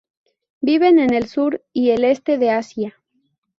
Viven en el sur y el este de Asia.